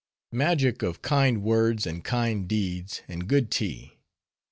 Magic of kind words, and kind deeds, and good tea!